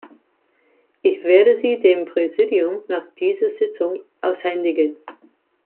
Ich werde sie dem Präsidium nach dieser Sitzung aushändigen.